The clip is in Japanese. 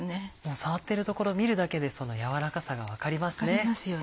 触ってるところを見るだけでそのやわらかさが分かりますね。